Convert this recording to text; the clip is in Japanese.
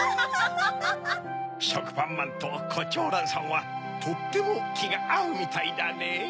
しょくぱんまんとコチョウランさんはとってもきがあうみたいだねぇ。